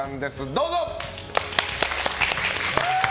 どうぞ！